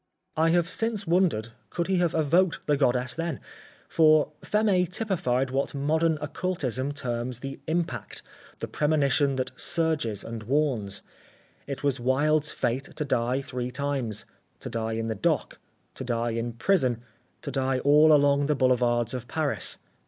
I have since wondered, could he have evoked the goddess then? For Ph├®m├® typified what modern occultism terms the impact the premonition that surges and warns. It was Wilde's fate to die three times to die in the dock, to die in prison, to die all along the boulevards of Paris.